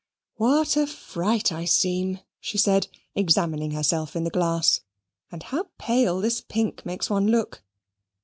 "What a fright I seem," she said, examining herself in the glass, "and how pale this pink makes one look!"